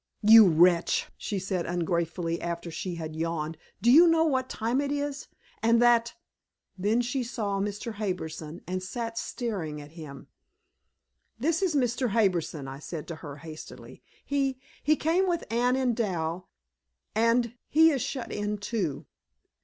"You wretch!" she said ungratefully, after she had yawned. "Do you know what time it is? And that " Then she saw Mr. Harbison and sat staring at him. "This is Mr. Harbison," I said to her hastily. "He he came with Anne and Dal and he is shut in, too."